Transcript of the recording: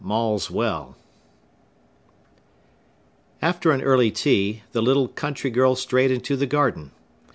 Maule's Well After an early tea, the little country girl strayed into the garden.